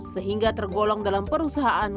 sehingga tergolong dalam perusahaan